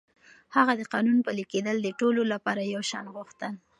هغه د قانون پلي کېدل د ټولو لپاره يو شان غوښتل.